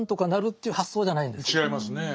違いますねぇ。